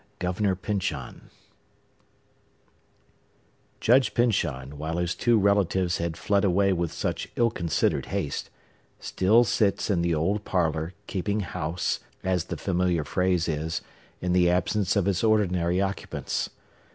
Governor Pyncheon Judge Pyncheon, while his two relatives have fled away with such ill considered haste, still sits in the old parlor, keeping house, as the familiar phrase is, in the absence of its ordinary occupants.